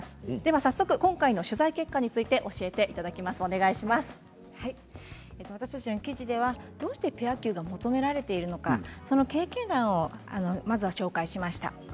早速、今回の取材結果について私たちの記事ではどうしてペア休が求められているのかその経験談を紹介しました。